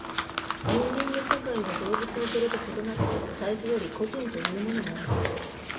人間の社会は動物のそれと異なって最初より個人というものがあり、